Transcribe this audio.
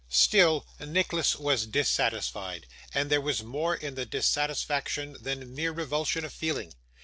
Still, Nicholas was dissatisfied; and there was more in the dissatisfaction than mere revulsion of feeling.